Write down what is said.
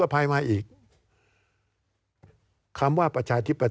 การเลือกตั้งครั้งนี้แน่